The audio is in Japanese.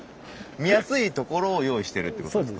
見やすいところを用意してるってことですか？